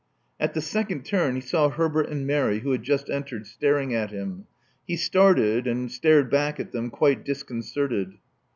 At the second turn he saw Herbert and Mary, who had just entered, staring at him. He started, and stared back at them, quite disconcerted.